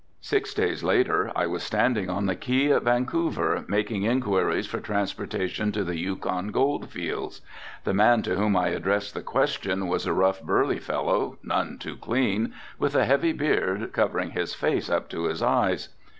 Six days later I was standing on the quay at Vancouver, making inquiries for transportation to the Yukon gold fields. The man to whom I addressed the question was a rough, burly fellow, none too clean, with a heavy beard covering his face up to the eyes.